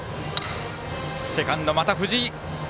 セカンド、藤井。